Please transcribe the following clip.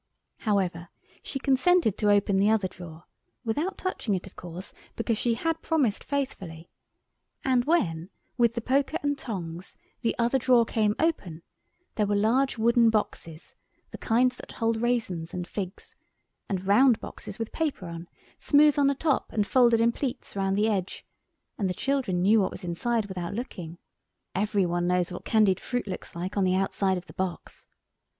However, she consented to open the other drawer—without touching it, of course, because she had promised faithfully—and when, with the poker and tongs, the other drawer came open, there were large wooden boxes—the kind that hold raisins and figs—and round boxes with paper on—smooth on the top and folded in pleats round the edge; and the children knew what was inside without looking. Every one knows what candied fruit looks like on the outside of the box.